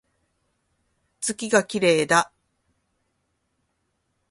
月が綺麗だ